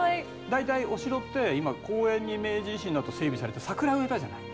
大体お城って今公園に明治維新の後整備されて桜植えたじゃない？